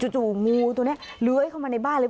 ่งูตัวนี้เลื้อยเข้ามาในบ้านเลย